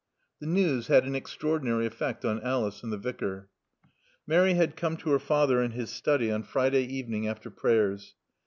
The news had an extraordinary effect on Alice and the Vicar. Mary had come to her father in his study on Friday evening after Prayers.